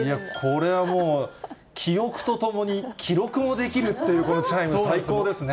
これはもう、記憶とともに記録もできるっていうこのチャイム、最高ですね。